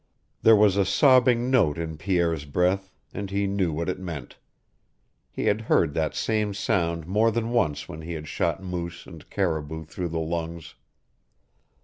There was a sobbing note in Pierre's breath, and he knew what it meant. He had heard that same sound more than once when he had shot moose and caribou through the lungs.